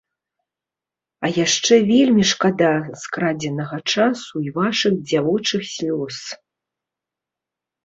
А яшчэ вельмі шкада скрадзенага часу і вашых дзявочых слёз.